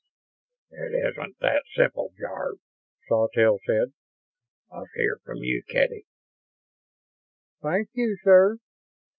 "It isn't that simple, Jarve," Sawtelle said. "Let's hear from you, Kedy." "Thank you, sir.